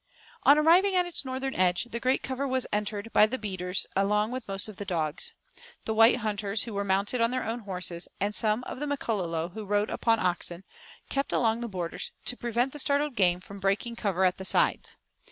On arriving at its northern edge, the great cover was entered by the beaters along with most of the dogs. The white hunters, who were mounted on their own horses, and some of the Makololo who rode upon oxen, kept along the borders, to prevent the startled game from breaking cover at the sides.